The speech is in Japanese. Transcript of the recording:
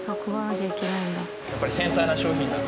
やっぱり繊細な商品なので。